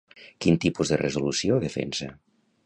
Quin tipus de resolució defensa?